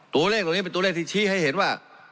ตัวเลขเหล่านี้เป็นตัวเลขที่ชี้ให้เห็นว่า